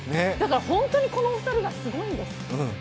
だから本当に、このお二人がすごいんです。